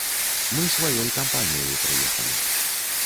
Мы сваёй кампаніяй прыехалі.